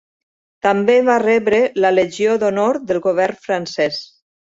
També va rebre la Legió d'Honor del govern Francès.